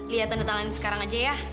lihat tanda tangan sekarang aja ya